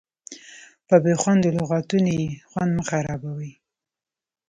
په بې خوندو لغتونو یې خوند مه خرابوئ.